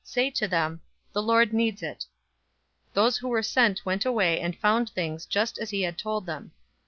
say to him: 'The Lord needs it.'" 019:032 Those who were sent went away, and found things just as he had told them.